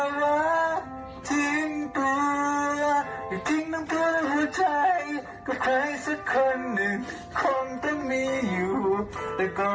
ดีแทนรักกับจุดิละจิงดีแทนเห็น